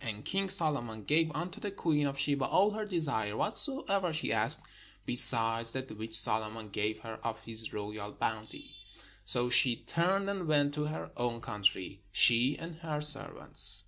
And king Solomon gave unto the queen of Sheba all her desire, whatsoever she asked, besides that which Solomon gave her of his royal bounty. So she turned and went to her own country, she and her servants.